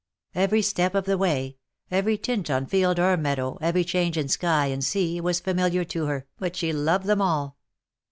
Every step of the way, every tint on field or meadow, every change in sky and sea was familiar to her, but she loved them all.